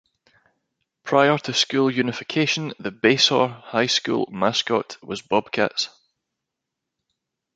Prior to school unification, the Basehor High School mascot was Bobcats.